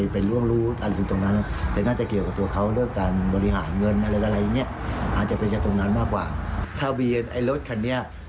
พี่กัดนับไว้เนี่ย